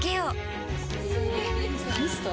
ミスト？